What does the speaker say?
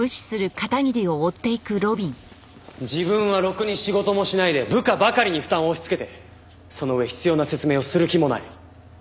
自分はろくに仕事もしないで部下ばかりに負担を押し付けてその上必要な説明をする気もない。